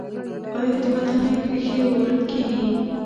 آیا د ودانیو ښیښې وارد کیږي؟